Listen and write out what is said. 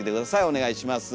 お願いします。